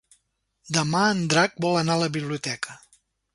Demà en Drac vol anar a la biblioteca.